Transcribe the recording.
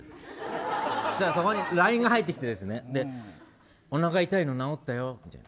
そうしたら、そこにＬＩＮＥが入ってきておなか痛いの治ったよって。